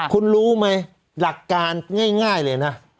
คุณรู้ไหมหลักการง่ายเลยนะ